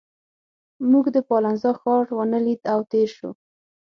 موږ د پالنزا ښار ونه لید او تېر شوو.